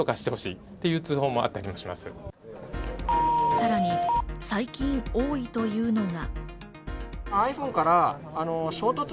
さらに最近多いというのが。